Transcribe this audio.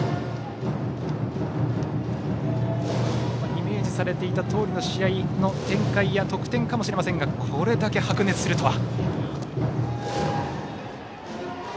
イメージされていたとおりの試合の展開や得点かもしれませんがこれだけ白熱するとは。